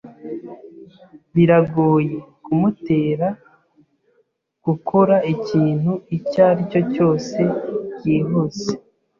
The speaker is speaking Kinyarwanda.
Biragoye kumutera gukora ikintu icyo aricyo cyose byihuse. )